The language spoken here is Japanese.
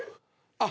あっ。